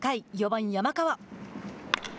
４番山川。